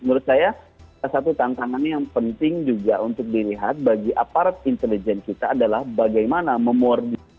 menurut saya salah satu tantangan yang penting juga untuk dilihat bagi aparat intelijen kita adalah bagaimana memordir